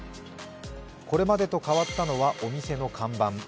これまでと変わったのはお店の看板。